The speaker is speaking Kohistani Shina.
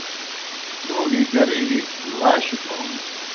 پُوݨیْ ڈیرِجیْ لُھاشیْ دون